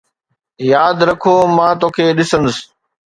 ياد رکو مان توکي ڏسندس